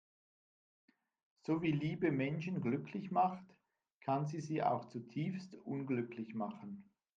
So wie Liebe Menschen glücklich macht, kann sie sie auch zutiefst unglücklich machen.